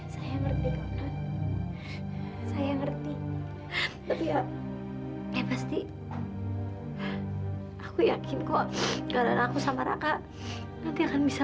saya ngerti saya ngerti tapi ya ya pasti aku yakin kok karena aku sama raka nanti akan bisa